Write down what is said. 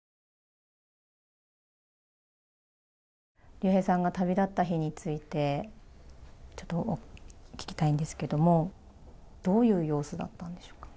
竜兵さんが旅立った日について、ちょっと聞きたいんですけども、どういう様子だったんでしょうか？